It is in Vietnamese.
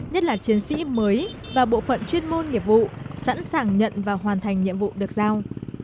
nhất là chiến sĩ mới và bộ phận chuyên môn nghiệp vụ sẵn sàng nhận và hoàn thành nhiệm vụ được giao